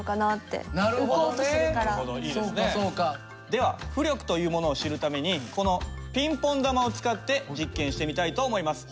では浮力というものを知るためにこのピンポン球を使って実験してみたいと思います。